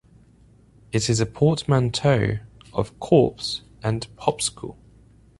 It is a portmanteau of "corpse" and "popsicle".